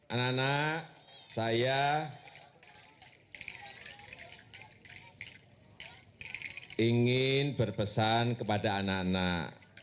anak anak saya ingin berpesan kepada anak anak